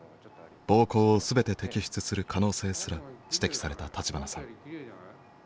膀胱を全て摘出する可能性すら指摘された立花さん。